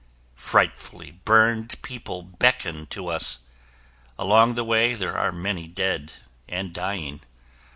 Frightfully burned people beckon to us. Along the way, there are many dead and dying.